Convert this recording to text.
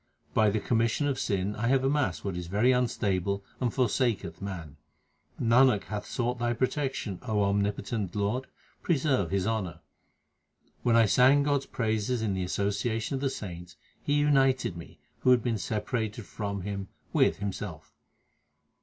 By the commission of sin I have amassed what is very unstable and forsaketh man. Nanak hath sought Thy protection, O omnipotent Lord ; preserve his honour. When I sang God s praises in the association of the saints, He united me, who had been separated from Him, with Himself.